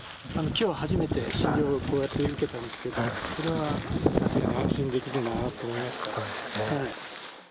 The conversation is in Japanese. きょうは初めて診療、こうやって受けたんですけど、それは安心できるなと思いました。